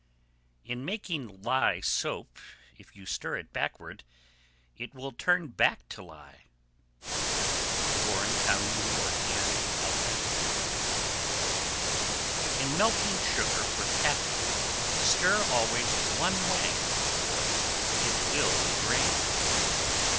In making lye soap, if you stir it backward it will turn back to lye. Warren Co., N.Y., and Alabama. 1149. In melting sugar for taffy, stir always one way, or it will grain.